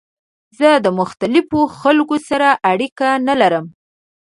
زه د مختلفو خلکو سره اړیکه نه لرم.